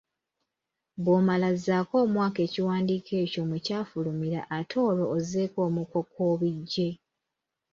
Bw'omala zzaako omwaka ekiwandiiko ekyo mwe kyafulumira ate olwo ozzeeko omuko kw’obiggye.